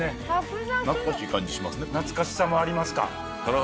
懐かしさもありますか。